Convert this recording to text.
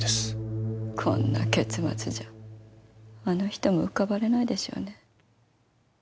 こんな結末じゃあの人も浮かばれないでしょうね。